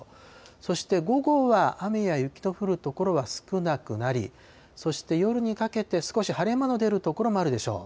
そして午後は、雨や雪の降る所は少なくなり、そして夜にかけて、少し晴れ間の出る所もあるでしょう。